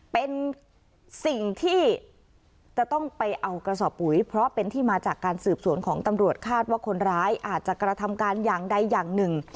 เป็นสิ่งที่จะต้องไปเอากระสอบปุ๋ยเพราะเป็นที่มาจากการสืบสวนของตำรวจคาดว่าคนร้ายอาจจะกระทำการอย่างใดอย่างหนึ่ง